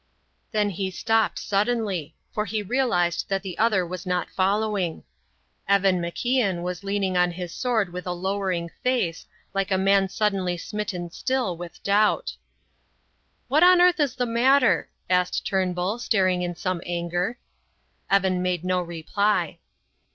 Then he stopped suddenly; for he realized that the other was not following. Evan MacIan was leaning on his sword with a lowering face, like a man suddenly smitten still with doubt. "What on earth is the matter?" asked Turnbull, staring in some anger. Evan made no reply.